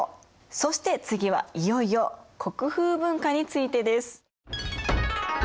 そして次はいよいよ国風文化についてです。